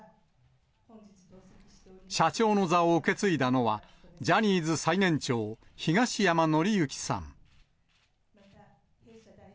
社長の座を受け継いだのは、ジャニーズ最年長、東山紀之さん。